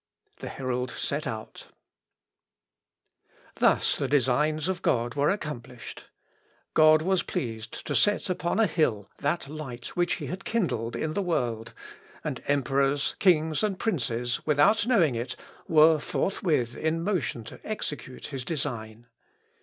The herald set out. Thus the designs of God were accomplished. God was pleased to set upon a hill that light which he had kindled in the world, and emperors, kings, and princes, without knowing it, were forthwith in motion to execute his design.